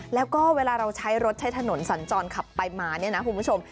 แล้วก็เวลาเราใช้รถใช้ถนนสัญจรขับไปมาเนี่ยนะคุณผู้ชม